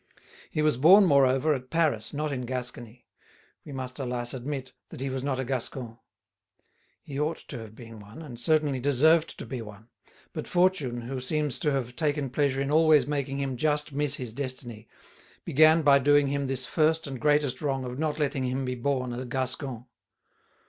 He was born, moreover, at Paris, not in Gascony; we must, alas, admit that he was not a Gascon. He ought to have been one, he certainly deserved to be one. But Fortune, who seems to have taken pleasure in always making him just miss his destiny, began by doing him this first and greatest wrong of not letting him be born a Gascon.